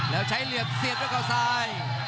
แล้วใช้เหลี่ยมเสียบด้วยเขาซ้าย